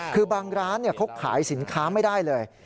คือบางร้านเขาขายสินค้าไม่ได้เลย